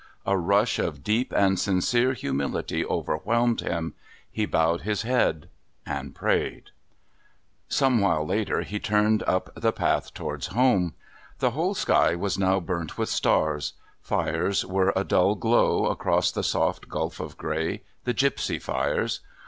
A rush of deep and sincere humility overwhelmed him. He bowed his head and prayed. Some while later he turned up the path towards home. The whole sky now burnt with stars; fires were a dull glow across the soft gulf of grey, the gipsy fires.